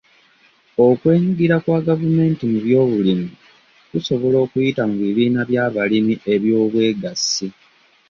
Okwenyigira kwa gavumenti mu by'obulimi kusobola okuyita mu bibiina by'abalimi eby'obwegassi.